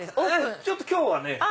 ちょっと今日はね。